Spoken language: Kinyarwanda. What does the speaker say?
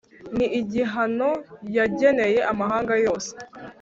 ni igihano yageneye amahanga yose.